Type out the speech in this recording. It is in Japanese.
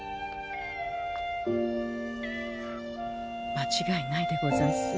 間違いないでござんす。